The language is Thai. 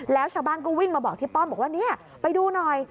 แล้วชาวบ้านก็วิ่งมาบอกที่ป้อมบอกว่าเนี่ยไปดูหน่อย